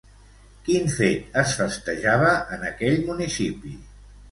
Quin fet es festejava en aquell municipi?